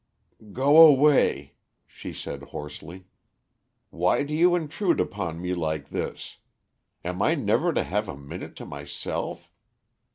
"Go away," she said hoarsely. "Why do you intrude upon me like this? Am I never to have a minute to myself?